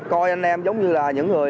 coi anh em giống như là những người